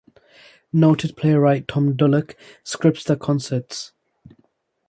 Noted playwright Tom Dulack scripts the concerts.